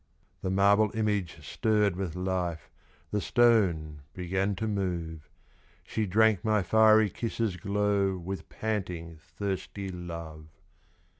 The marble image stirred with life, The stone began to move; She drank my fiery kisses' glow With panting thirsty love.